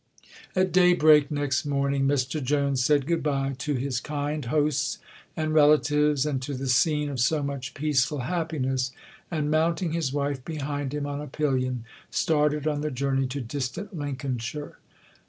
At daybreak next morning "Mr Jones" said good bye to his kind hosts and relatives and to the scene of so much peaceful happiness, and, mounting his wife behind him on a pillion, started on the journey to distant Lincolnshire.